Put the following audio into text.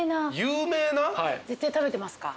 絶対食べてますか？